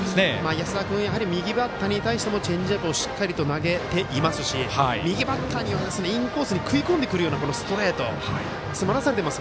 安田君右バッターに対してもチェンジアップをしっかりと投げていますし右バッターにはインコースに食い込んでくるようなストレート詰まらされてます、